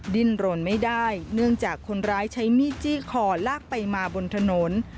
ดิ้นรนไม่ได้เนื่องจากคนร้ายใช้มีดจี้คอลากไปมาบนถนน